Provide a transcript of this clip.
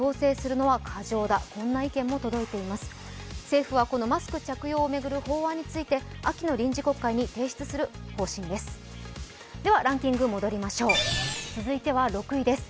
政府はマスク着用を巡る法案について秋の臨時国会に提出する方針です。